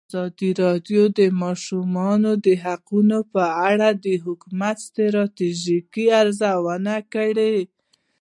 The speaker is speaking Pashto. ازادي راډیو د د ماشومانو حقونه په اړه د حکومتي ستراتیژۍ ارزونه کړې.